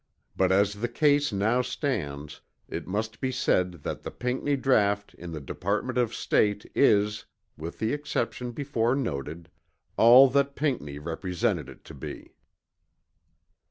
But as the case now stands it must be said that the Pinckney Draught in the Department of State is (with the exceptions before noted), all that Pinckney represented it to be.